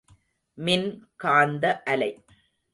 மின் காந்த அலை.